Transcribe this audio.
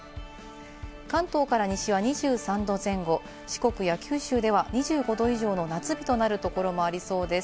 関東から西は２３度前後、四国や九州では２５度以上の夏日となるところもありそうです。